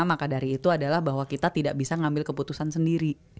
maka dari itu adalah bahwa kita tidak bisa ngambil keputusan sendiri